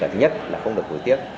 thứ nhất là không được hối tiếc